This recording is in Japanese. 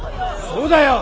そうだよ！